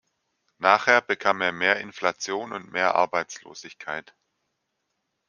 Nachher bekam er mehr Inflation und mehr Arbeitslosigkeit.